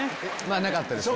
なかったですね。